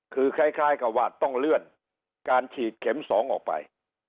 คือคล้ายกับว่าต้องเลื่อนการฉีดเข็ม๒ออกไป